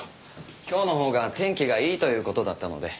今日のほうが天気がいいという事だったので。